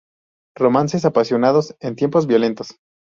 Romances apasionados en tiempos violentos".